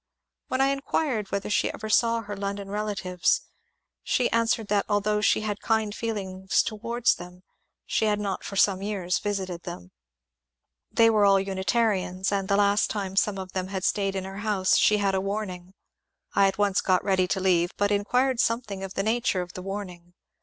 When I inquired whether she ever saw her London relatives, she answered that although she had kind feelings towards them she had not for some years invited them. THE EARTHWARD PILGRIMAGE 353 • They were all Unitarians, and the last time some of them had staid in her house she had a warning. I at once got ready to leave, but inquired something of the nature of the ^^ warning."